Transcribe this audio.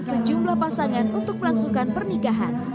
di pilihan sejumlah pasangan untuk melangsungkan pernikahan